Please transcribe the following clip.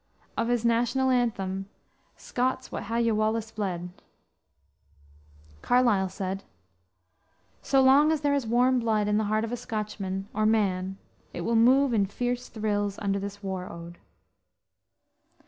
Of his national anthem, Scots wha hae wi' Wallace bled, Carlyle said: "So long as there is warm blood in the heart of Scotchman, or man, it will move in fierce thrills under this war ode."